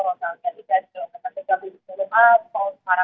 apakah sudah ada informasinya harus melapor kemana